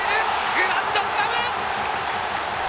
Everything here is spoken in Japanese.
グランドスラム！